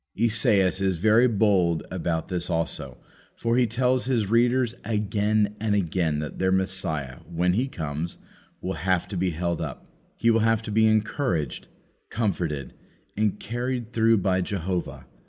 Esaias is very bold about this also, for he tells his readers again and again that their Messiah, when He comes, will have to be held up. He will have to be encouraged, comforted, and carried through by Jehovah.